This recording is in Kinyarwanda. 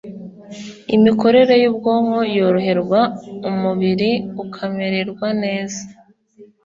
imikorere yubwonko yoroherwa umubiri ukamererwa neza